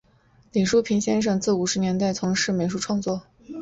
李叔平先生自五十年代起从事美术创作。